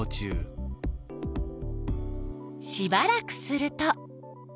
しばらくすると。